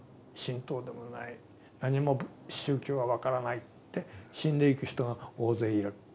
何も宗教は分からないって死んでいく人が大勢いる。